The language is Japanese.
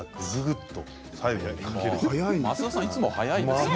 増田さんいつも早いですね。